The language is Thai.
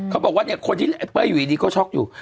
เขาบอกว่าเนี่ยคนที่ไอ้เป้ยอยู่ดีก็ช็อกอยู่